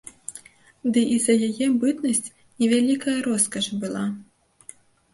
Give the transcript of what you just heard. Ды і за яе бытнасць не вялікая роскаш была.